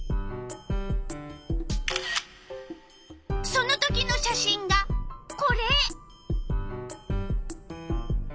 そのときの写真がこれ！